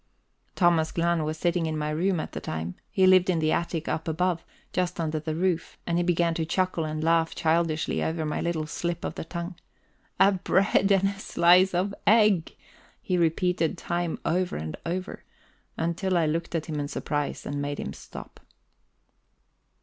Thomas Glahn was sitting in my room at the time he lived in the attic up above, just under the roof and he began to chuckle and laugh childishly over my little slip of the tongue. "A bread and a slice of egg!" he repeated time over and over, until I looked at him in surprise and made him stop.